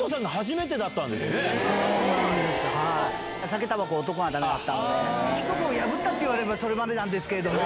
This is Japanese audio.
酒、たばこ、男がだめだったんで、規則を破ったって言われれば、それまでなんですけれども。